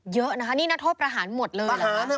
เยอะนะคะนี่นักโทษประหารหมดเลยเหรอคะ